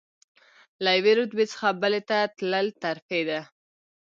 له یوې رتبې څخه بلې ته تلل ترفیع ده.